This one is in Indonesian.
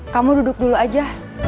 kamu duduk dulu aja